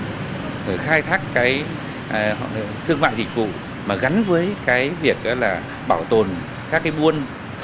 rồi khai thác cái thương mại dịch vụ mà gắn với cái việc là bảo tồn các cái buôn